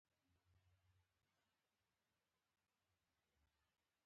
د ګیان ولسوالۍ ځنګلونه لري